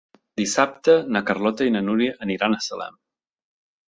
Dissabte na Carlota i na Núria aniran a Salem.